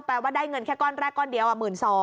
ว่าได้เงินแค่ก้อนแรกก้อนเดียว๑๒๐๐